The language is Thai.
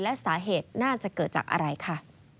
และสาเหตุน่าจะเกิดจากอะไรค่ะ